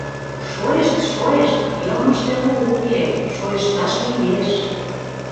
Шойышт, шойышт, йылмыште лу уке — шойышташ лиеш.